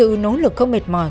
cuối cùng sự nỗ lực không mệt mỏi